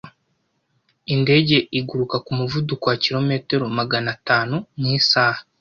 Indege iguruka ku muvuduko wa kilometero magana atanu mu isaha.